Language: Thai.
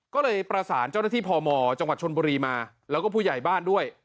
ก็เลยประสานเจ้าหน้าที่พมจังหวัดชนบุรีมาแล้วก็ผู้ใหญ่บ้านด้วย